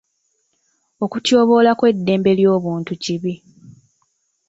Okutyoboola kw'eddembe ly'obuntu kibi.